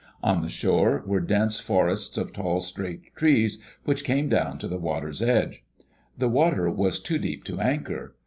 On the shore were dense forests of tall straight trees which came down to the water's edge. The water was too deep to anchor.